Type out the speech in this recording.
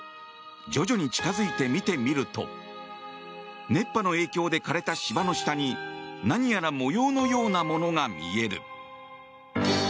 徐々に近づいて見てみると熱波の影響で枯れた芝の下に何やら模様のようなものが見える。